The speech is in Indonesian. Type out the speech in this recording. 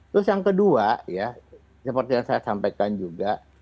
terus yang kedua ya seperti yang saya sampaikan juga